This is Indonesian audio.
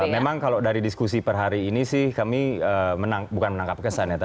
memang kalau dari diskusi per hari ini sih kami menang bukan menangkap kesan ya